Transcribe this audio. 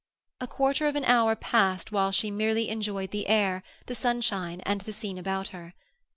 A quarter of an hour passed whilst she merely enjoyed the air, the sunshine, and the scene about her.